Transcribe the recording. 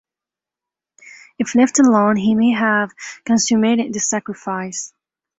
If left alone he might have consummated the sacrifice.